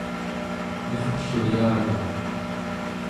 nerrluyagaq